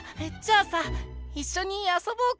あさいっしょにあそぼうか？